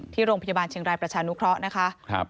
โรงพยาบาลเชียงรายประชานุเคราะห์นะคะ